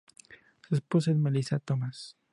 Su esposa es Melissa Thomas.